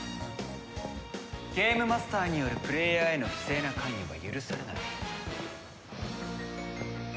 ゲームマスターによるプレーヤーへの不正な関与は許されない。